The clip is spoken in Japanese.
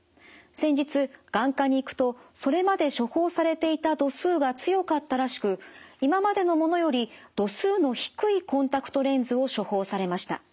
先日眼科に行くとそれまで処方されていた度数が強かったらしく今までのものより度数の低いコンタクトレンズを処方されました。